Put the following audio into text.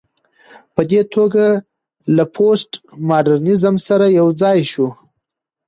په دې توګه له پوسټ ماډرنيزم سره يوځاى شو